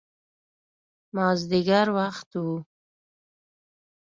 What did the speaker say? مازدیګر وخت و.